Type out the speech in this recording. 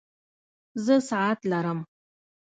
زه ساعت لرم